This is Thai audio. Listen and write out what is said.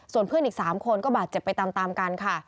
ส่วนเพื่อนอีก๓คนก็บาดเจ็บไปตามกันค่ะ